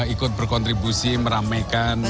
ikut berkontribusi meramaikan